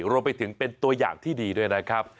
รวมไปถึงเป็นตัวอย่างที่ดีด้วยนะครับ